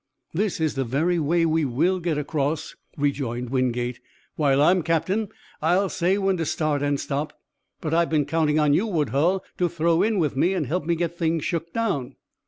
"This is the very way we will get across," rejoined Wingate. "While I'm captain I'll say when to start and stop. But I've been counting on you, Woodhull, to throw in with me and help me get things shook down."